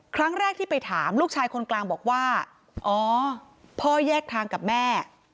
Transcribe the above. ครั้งแรกที่ไปถามลูกชายคนกลางบอกว่าอ๋อพ่อแยกทางกับแม่